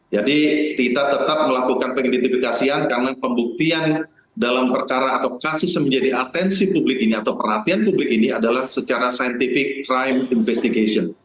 jadi kita tetap melakukan pengidentifikasian karena pembuktian dalam perkara atau kasus yang menjadi atensi publik ini atau perhatian publik ini adalah secara scientific crime investigation